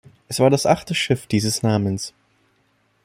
Es war das achte Schiff dieses Namens.